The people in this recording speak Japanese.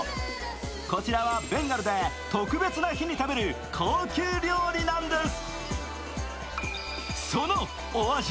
こちらはベンガルで特別な日に食べる高級料理なんです。